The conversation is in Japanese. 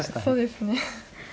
そうですね。